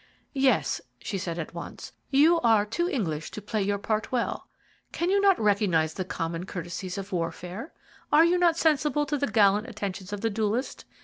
"Yes," she said, at once, "you are too English to play your part well. Cannot you recognize the common courtesies of warfare? Are you not sensible to the gallant attentions of the duellist?